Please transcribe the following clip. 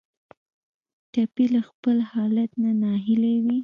ټپي له خپل حالت نه ناهیلی وي.